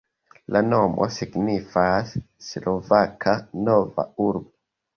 La nomo signifas Slovaka Nova Urbo.